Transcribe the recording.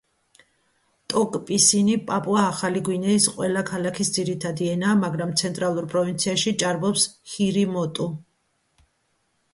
ტოკ-პისინი პაპუა-ახალი გვინეის ყველა ქალაქის ძირითადი ენაა, მაგრამ ცენტრალურ პროვინციაში ჭარბობს ჰირი-მოტუ.